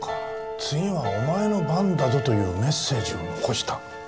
次はお前の番だぞというメッセージを残した？